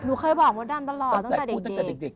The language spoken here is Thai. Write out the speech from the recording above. เคยบอกมดดำตลอดตั้งแต่เด็ก